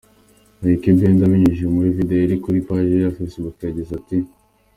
Ykee Benda abinyujije muri Video iri kuri Paji ye ya Facebook yagize ati:.